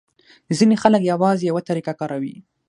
ځینې خلک یوازې یوه طریقه کاروي.